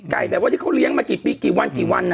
แบบว่าที่เขาเลี้ยงมากี่ปีกี่วันกี่วัน